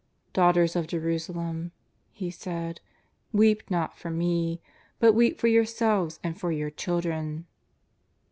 " Daughters of Jerusalem," He said, " weep not for Me, but weep for yourselves and for your children."